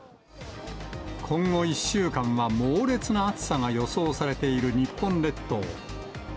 今後１週間は猛烈な暑さが予想されている日本列島。